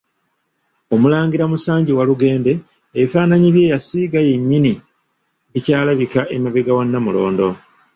Omulangira Musanje Walugembe ebifaananyi bye yasiiga yennyini bikyalabika emabega wa Nnamulondo.